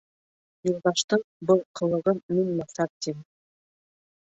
Юлдаштың был ҡылығын мин насар тим.